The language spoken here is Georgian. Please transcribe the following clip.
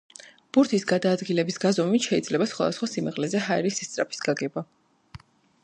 ბურთის გადაადგილების გაზომვებით შეიძლება სხვადასხვა სიმაღლეზე ჰაერის სისწრაფის გაგება.